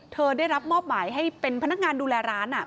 ได้รับมอบหมายให้เป็นพนักงานดูแลร้าน